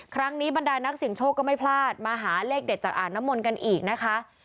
บรรดานักเสียงโชคก็ไม่พลาดมาหาเลขเด็ดจากอ่างน้ำมนต์กันอีกนะคะ